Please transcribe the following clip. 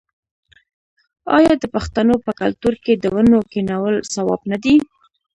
آیا د پښتنو په کلتور کې د ونو کینول ثواب نه دی؟